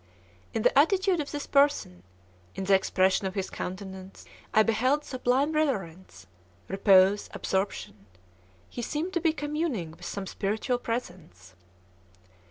In the attitude of his person, in the expression of his countenance, I beheld sublime reverence, repose, absorption. He seemed to be communing with some spiritual presence.